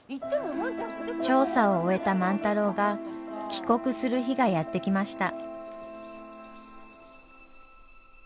調査を終えた万太郎が帰国する日がやって来ました。